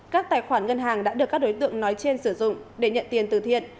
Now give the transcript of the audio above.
các tài khoản ngân hàng đã được các đối tượng nói trên sử dụng để nhận tiền từ thiện